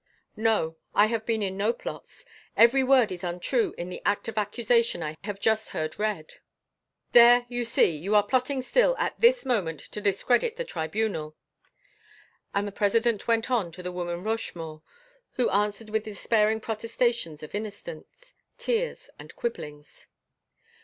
"No, I have been in no plots. Every word is untrue in the act of accusation I have just heard read." "There, you see; you are plotting still, at this moment, to discredit the Tribunal," and the President went on to the woman Rochemaure, who answered with despairing protestations of innocence, tears and quibblings.